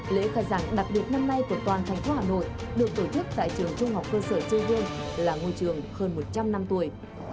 lễ khai giảng đặc biệt năm nay của toàn thành phố hà nội được tổ chức tại trường trung học cơ sở chơ vương là ngôi trường hơn một trăm linh năm tuổi